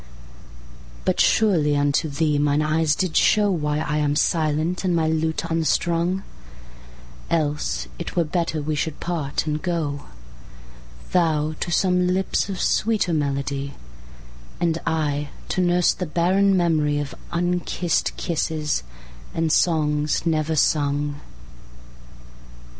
But surely unto Thee mine eyes did showWhy I am silent, and my lute unstrung; Else it were better we should part, and go, Thou to some lips of sweeter melody, And I to nurse the barren memoryOf unkissed kisses, and songs never sung.